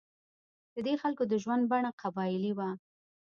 د دې خلکو د ژوند بڼه قبایلي وه.